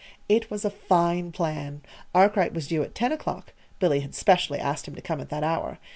It was a fine plan. Arkwright was due at ten o'clock Billy had specially asked him to come at that hour.